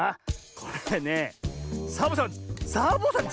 これねサボさんサボさん